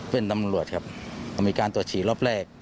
เป็นตำรวจครับมีการตรวจฉี่รอบแรก